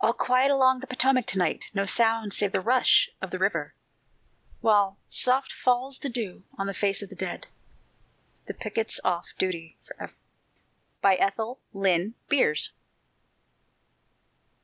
All quiet along the Potomac to night No sound save the rush of the river, While soft falls the dew on the face of the dead The picket's off duty forever! ETHEL LYNN BEERS.